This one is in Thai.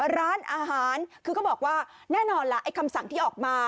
ร้านอาหารคือก็บอกว่าแน่นอนล่ะไอ้คำสั่งที่ออกมา